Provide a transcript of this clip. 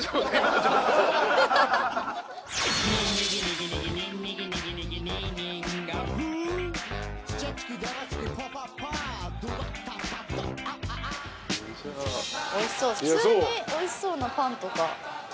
普通においしそうなパンとか。